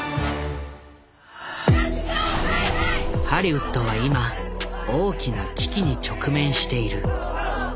ハリウッドは今大きな危機に直面している。